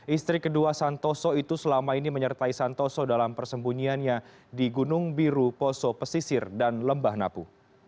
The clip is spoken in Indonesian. istri kedua santoso itu selama ini menyertai santoso dalam persembunyiannya di gunung biru poso pesisir dan lembah napu